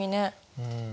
うん。